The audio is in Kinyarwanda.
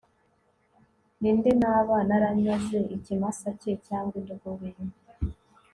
ni nde naba naranyaze ikimasa cye cyangwa indogobe ye